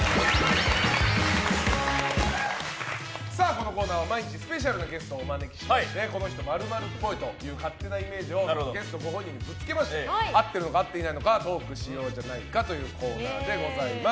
このコーナーは毎日スペシャルなゲストをお招きしてこの人○○っぽいという勝手なイメージをゲストご本人にぶつけて合ってるのか合っていないのかをトークしようじゃないかというコーナーでございます。